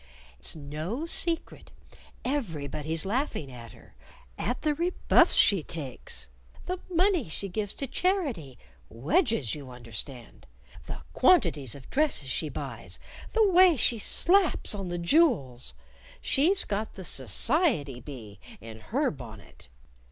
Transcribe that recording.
"It's no secret. Everybody's laughing at her, at the rebuffs she takes; the money she gives to charity (wedges, you understand); the quantities of dresses she buys; the way she slaps on the jewels. She's got the society bee in her bonnet!"